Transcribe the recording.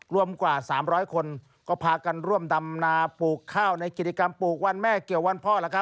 รวมกว่า๓๐๐คนก็พากันร่วมดำนาปลูกข้าวในกิจกรรมปลูกวันแม่เกี่ยววันพ่อ